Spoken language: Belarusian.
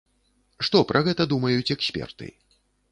Што пра гэта думаюць эксперты?